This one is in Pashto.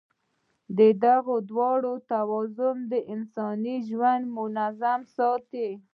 د دغو دواړو توازن انساني ژوند منظم ساتي.